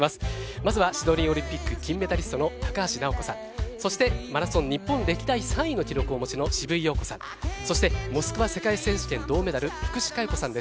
まずはシドニーオリンピック金メダリストの高橋尚子さんそしてマラソン日本歴代３位の記録をお持ちの渋井陽子、そしてモスクワ世界選手権銅メダル福士加代子さんです。